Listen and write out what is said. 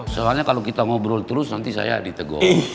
soalnya kalau kita ngobrol terus nanti saya ditegur